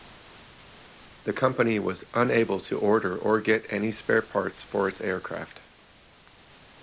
The company was unable to order or get any spare parts for its aircraft.